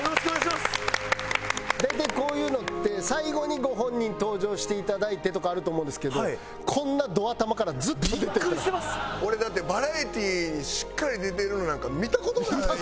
大体こういうのって最後にご本人登場していただいてとかあると思うんですけど俺だってバラエティーにしっかり出てるのなんか見た事ないですよ。